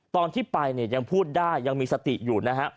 ตอนที่ไปเนี่ยยังพูดได้ยังมีสติอยู่นะฮะ